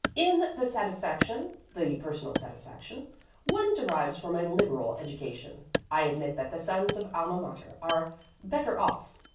In the satisfaction the personal satisfaction one derives from a liberal education, I admit that the sons of Alma Mater are the better off.